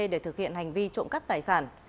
để thực hiện hành vi trộm cắp tài sản